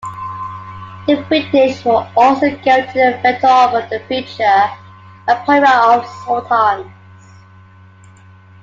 The British were also guaranteed a veto over the future appointment of sultans.